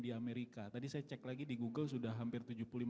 di amerika tadi saya cek lagi di google sudah hampir tujuh puluh lima